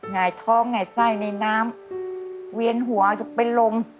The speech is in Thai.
ไงท้องไงใส่ในน้ำเวียนหัวจุกเป็นลม